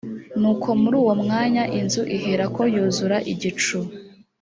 nuko muri uwo mwanya inzu iherako yuzura igicu